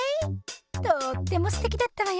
とってもすてきだったわよ。